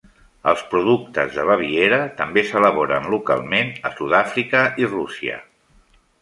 Els productes de Baviera també s'elaboren localment a Sud-àfrica i Rússia.